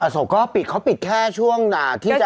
ศพก็ปิดเขาปิดแค่ช่วงที่จะ